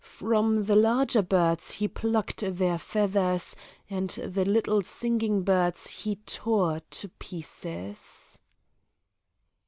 From the larger birds he plucked their feathers, and the little singing birds he tore to pieces."